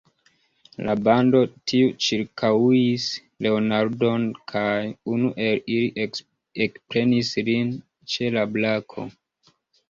La bando tuj ĉirkaŭis Leonardon, kaj unu el ili ekprenis lin ĉe la brako.